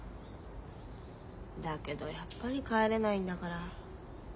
だけどやっぱり帰れないんだから。